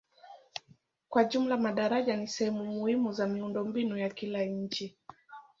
Kwa jumla madaraja ni sehemu muhimu za miundombinu ya kila nchi.